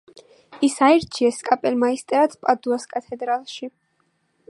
ის აირჩიეს კაპელმაისტერად პადუას კათედრალში.